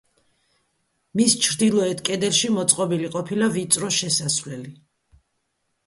მის ჩრდილოეთ კედელში მოწყობილი ყოფილა ვიწრო შესასვლელი.